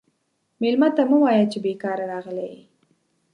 مېلمه ته مه وایه چې بیکاره راغلی یې.